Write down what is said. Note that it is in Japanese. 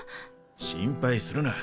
心配するな。